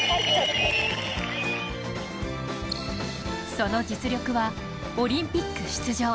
その実力はオリンピック出場